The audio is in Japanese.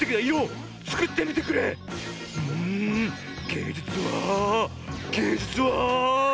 げいじゅつはげいじゅつは。